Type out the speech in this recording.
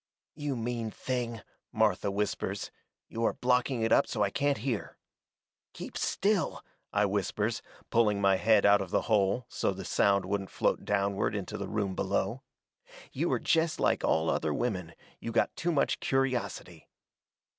"You mean thing," Martha whispers, "you are blocking it up so I can't hear." "Keep still," I whispers, pulling my head out of the hole so the sound wouldn't float downward into the room below. "You are jest like all other women you got too much curiosity."